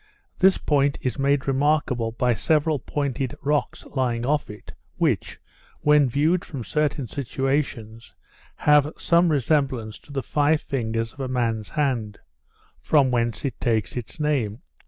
This point is made remarkable by several pointed rocks lying off it, which, when viewed from certain situations, have some resemblance to the five fingers of a man's hand; from whence it takes its name.